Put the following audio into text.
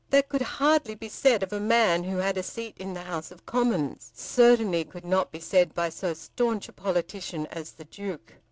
That could hardly be said of a man who had a seat in the House of Commons; certainly could not be said by so staunch a politician as the Duke.